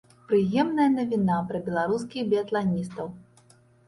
Прыемная навіна пра беларускіх біятланістаў.